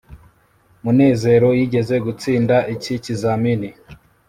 munezero yigeze gutsinda iki kizamini